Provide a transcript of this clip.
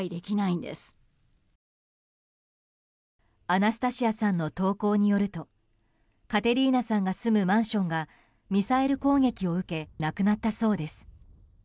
アナスタシアさんの投稿によるとカテリーナさんが住むマンションがミサイル攻撃を受け亡くなったそうです。